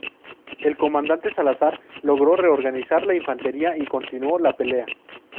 El comandante Salazar logró reorganizar la infantería y continuó la pelea.